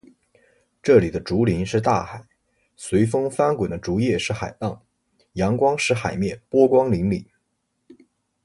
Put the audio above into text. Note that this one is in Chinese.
这里的竹林是大海，随风翻滚的竹叶是海浪，阳光使“海面”波光粼粼。